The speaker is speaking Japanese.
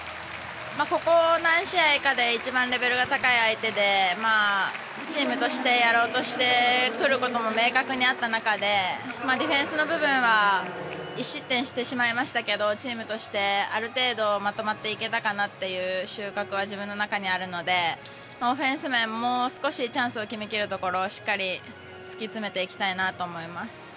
ここ何試合かで一番レベルが高い相手でチームとしてやろうとしてくることも明確にあった中でディフェンスの部分は１失点してしまいましたがチームとしてある程度まとまっていけたかなという収穫は自分の中にあるのでオフェンス面、もう少しチャンスを決め切るところしっかり突き詰めていきたいなと思います。